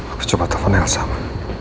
apa jangan jangan breman yang sama